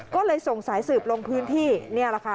ก็เลยส่งสายสืบลงพื้นที่นี่แหละค่ะ